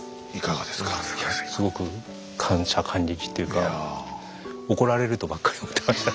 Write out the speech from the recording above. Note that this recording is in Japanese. すごく感謝感激っていうか怒られるとばっかり思ってました。